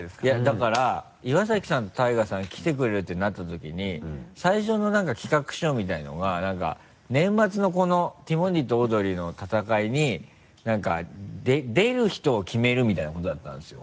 だから岩崎さんとＴＡＩＧＡさん来てくれるってなったときに最初の企画書みたいなのが何か年末のこのティモンディとオードリーの戦いに何か出る人を決めるみたいなことだったんですよ。